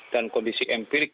dan kondisi empirik